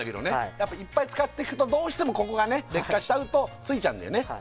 やっぱいっぱい使ってくとどうしてもここがね劣化しちゃうとついちゃうんだよね